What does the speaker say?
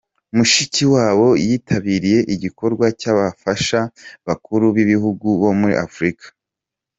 Mushiki wabo yitabiriye igikorwa cy’Abafasha b’Abakuru b’Ibihugu bo muri Afurika